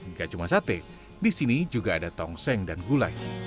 nggak cuma sate di sini juga ada tongseng dan gulai